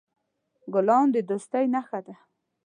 ګلان د دوستی نښه ده.